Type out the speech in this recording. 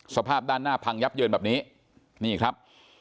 สภาพด้านหน้าพังยับเยินแบบนี้นี่ครับ